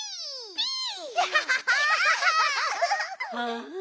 ピー！